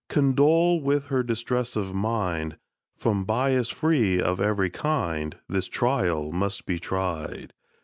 Condole with her distress of mind— From bias free of every kind, This trial must be tried!